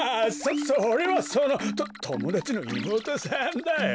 そそれはそのとともだちのいもうとさんだよ！